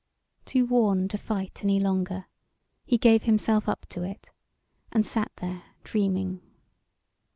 Too worn to fight any longer, he gave himself up to it, and sat there dreaming.